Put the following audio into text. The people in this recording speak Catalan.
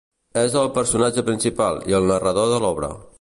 És el personatge principal i el narrador de l'obra.